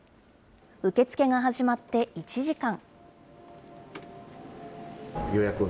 受け付けが始まって１時間。